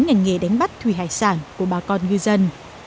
ngành nghề đánh bắt thủy hải sản của bà con ngư dân